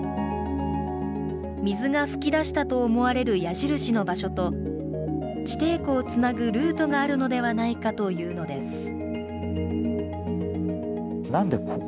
水が噴き出したと思われる矢印の場所と、地底湖をつなぐルートがあるのではないかというのです。